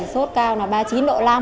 sốt cao là ba mươi chín độ năm